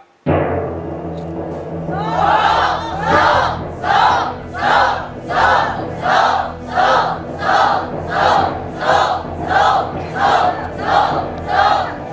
สู้